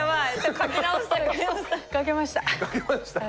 書けました？